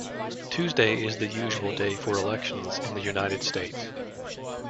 Tuesday is the usual day for elections in the United States.